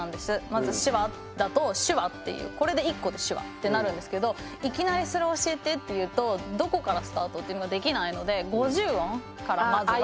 まず「手話」だと「手話」っていうこれで１個で「手話」ってなるんですけどいきなりそれ教えてって言うとどこからスタートっていうのができないので５０音からまずは。